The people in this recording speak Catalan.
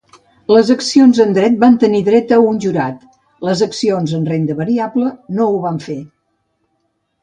Les accions en dret van tenir dret a un jurat, les accions en renda variable no ho van fer.